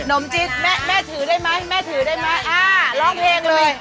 นมจินนะครับแม่ถือได้ไหมลองเพลงเลย